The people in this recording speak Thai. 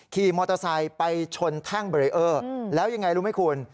ขี่มอเตอร์ไซค์ไปชนแท่งเบรีเออร์แล้วยังไงรู้ไหมคุณ